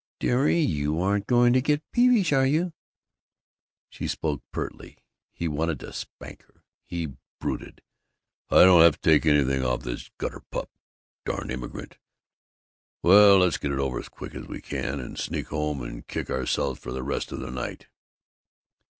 "Dearie, you aren't going to go and get peevish, are you?" She spoke pertly. He wanted to spank her. He brooded, "I don't have to take anything off this gutter pup! Darn immigrant! Well, let's get it over as quick as we can, and sneak home and kick ourselves for the rest of the night."